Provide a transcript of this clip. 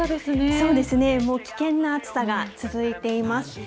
そうですね、もう危険な暑さが続いています。